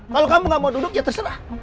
kalau kamu gak mau duduk ya terserah